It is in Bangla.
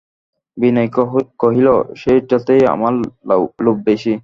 বিনয় কহিল, সেইটেতেই আমার লোভ বেশি।